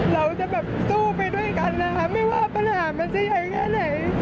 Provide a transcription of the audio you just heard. เราจะแบบสู้ไปด้วยกันนะคะไม่ว่าปัญหามันจะใหญ่แค่ไหน